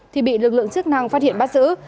thì bị lực lượng chức năng phát hiện bắt giữ